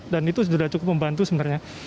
dan itu sudah cukup membantu sebenarnya